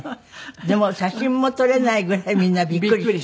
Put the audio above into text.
でも写真も撮れないぐらいみんなびっくりした。